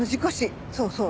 そうそう。